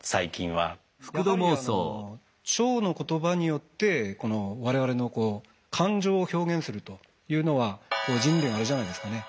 やはりあの腸の言葉によってこの我々の感情を表現するというのは人類のあれじゃないですかね